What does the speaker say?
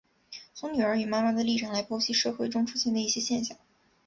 从女儿与妈妈的立场来剖析社会中出现的一些现象。